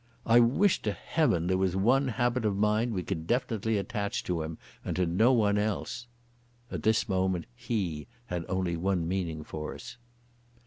"I wish to Heaven there was one habit of mind we could definitely attach to him and to no one else." (At this moment "He" had only one meaning for us.)